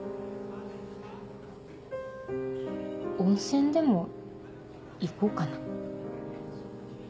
温泉でも行こうかな。